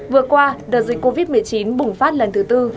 vừa qua đợt dịch covid một mươi chín bùng phát lần thứ tư